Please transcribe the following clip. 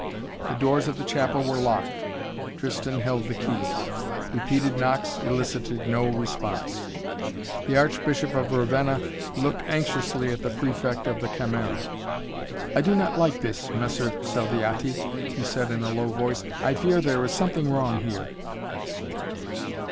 The doors of the chapel were locked. Tristan held the keys. Repeated knocks elicited no response. The Archbishop of Ravenna looked anxiously at the Prefect of the Camera. "I do not like this, Messer Salviati," he said in a low voice. "I fear there is something wrong here."